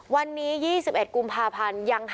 วันนี้๒๑กุมภาพันธ์